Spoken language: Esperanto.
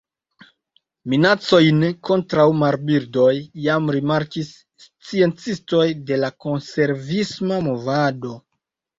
Minacojn kontraŭ marbirdoj jam rimarkis sciencistoj de la konservisma movado.